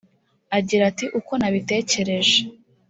Agira ati «Uko nabitekereje